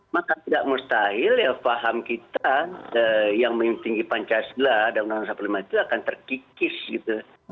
maka tidak mustahil ya paham kita yang memimpin pancasila dan uu lima belas itu akan terkikis gitu